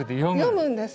読むんです。